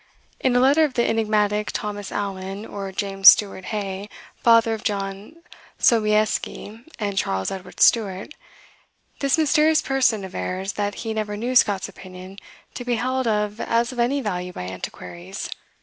In a letter of the enigmatic Thomas Allen, or James Stuart Hay, father of John Sobieski and Charles Edward Stuart, this mysterious person avers that he never knew Scott's opinion to be held as of any value by antiquaries (1829).